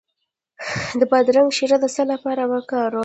د بادرنګ شیره د څه لپاره وکاروم؟